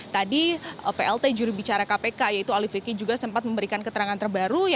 tadi plt juri bicara kpk yaitu ali vicky juga sempat memberikan keterangan terbaru